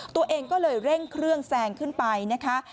ตัวเองก็เลยเร่งเครื่องแซงขึ้นไปนะคะ